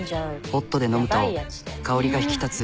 ホットで飲むと香りが引き立つ。